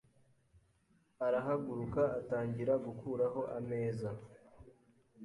arahaguruka atangira gukuraho ameza.